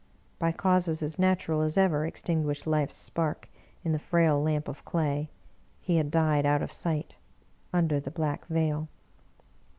By causes as natural as ever extinguished life's spark in the frail lamp of clay, he had died out of sight — ^under the black veil.